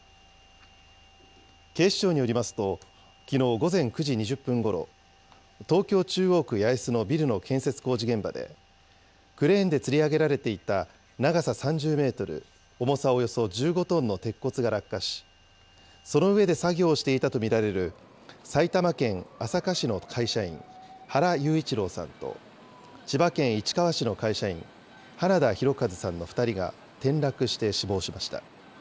警視庁によりますと、きのう午前９時２０分ごろ、東京・中央区八重洲のビルの建設工事現場で、クレーンでつり上げられていた長さ３０メートル、重さおよそ１５トンの鉄骨が落下し、その上で作業をしていたと見られる埼玉県朝霞市の会社員、原裕一郎さんと、千葉県市川市の会社員、花田大和さんの２人が転落して死亡しました。